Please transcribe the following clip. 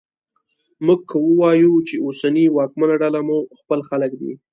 موږ که وایوو چې اوسنۍ واکمنه ډله مو خپل خلک دي